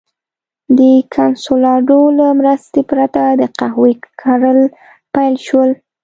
د کنسولاډو له مرستې پرته د قهوې کرل پیل شول.